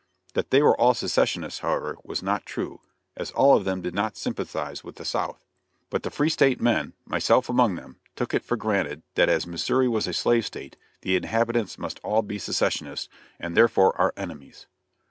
That they were all secessionists, however, was not true, as all of them did not sympathize with the South. But the Free State men, myself among them, took it for granted that as Missouri was a slave state the inhabitants must all be secessionists, and therefore our enemies.